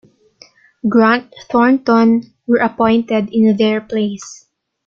Grant Thornton were appointed in their place.